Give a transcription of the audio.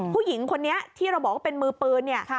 ผู้หญิงคนนี้ที่เราบอกว่าเป็นมือปืนเนี่ย